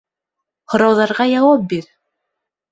Һорауҙарға яуап бир